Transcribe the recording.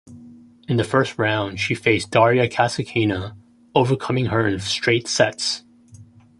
In the first round she faced Daria Kasatkina overcoming her in straight sets.